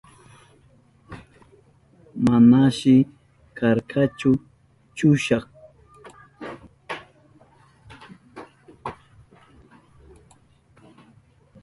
Manashi karkachu chusha.